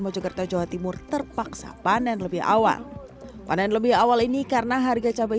mojokerto jawa timur terpaksa panen lebih awal panen lebih awal ini karena harga cabai